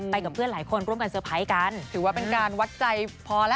กับเพื่อนหลายคนร่วมกันเตอร์ไพรส์กันถือว่าเป็นการวัดใจพอแล้ว